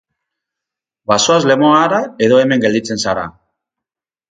Bazoaz Lemoara edo hemen gelditzen zara?